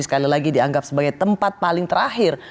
sekali lagi dianggap sebagai tempat paling terakhir